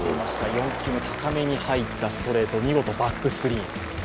４球目、高めに入ったストレート、見事バックスクリーン。